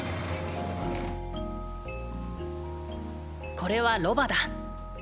これはロバだ。